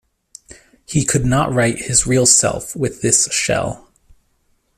He could not write his real self with this shell.